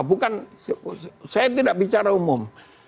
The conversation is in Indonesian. bukan saya tidak bicara umum